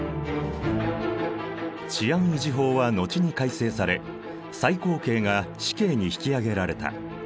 治安維持法は後に改正され最高刑が死刑に引き上げられた。